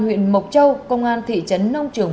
huyện mộc châu công an thị trấn nông trường